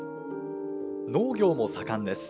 農業も盛んです。